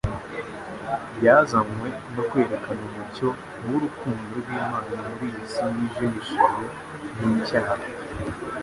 Yazanywe no kwerekana umucyo w'urukundo rw'Imana muri iyi si yijimishijwe n'icyaha.